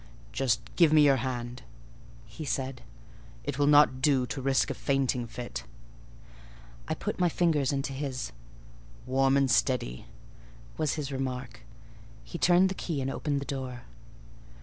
"Just give me your hand," he said: "it will not do to risk a fainting fit." I put my fingers into his. "Warm and steady," was his remark: he turned the key and opened the door.